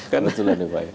kebetulan itu pak